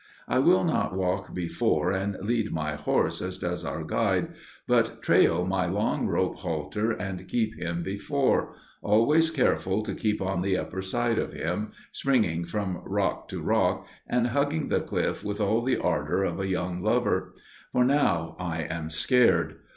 I will not walk before and lead my horse, as does our guide, but trail my long rope halter and keep him before,—always careful to keep on the upper side of him, springing from rock to rock, and hugging the cliff with all the ardor of a young lover. For now I am scared.